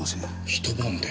一晩で。